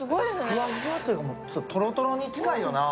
ふわふわっていうかとろとろに近いよな。